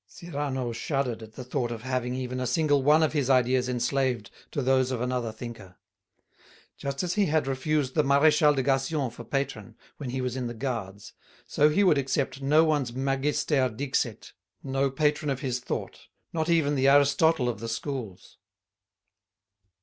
Cyrano shuddered at the thought of having even a single one of his ideas enslaved to those of another thinker. Just as he had refused the Maréchal de Gassion for patron when he was in the Guards, so he would accept no one's magister dixit, no patron of his thought, not even the Aristotle of the Schools.